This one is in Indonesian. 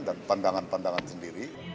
dan pandangan pandangan sendiri